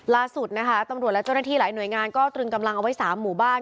ล่าสุดนะคะตำรวจและเจ้าหน้าที่หลายหน่วยงานก็ตรึงกำลังเอาไว้๓หมู่บ้าน